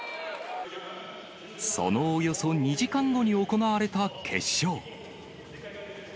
そのおよそ２時間後に行われた決勝。